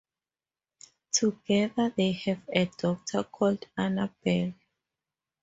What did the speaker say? Together they have a daughter called Annabelle.